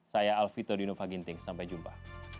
saya alfito di nova ginting sampai jumpa